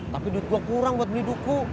tapi duit gue kurang buat beli duku